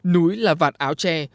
núi là vạt áo tre